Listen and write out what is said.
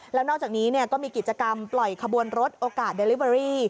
แล้วนอกจากนี้ก็มีกิจกรรมปล่อยขบวนรถโอกาสเดลิเวอรี่